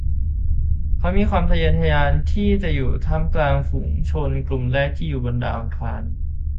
เขามีความทะเยอทะยานที่จะอยู่ท่ามกลางฝูงชนกลุ่มแรกที่อยู่บนดาวอังคาร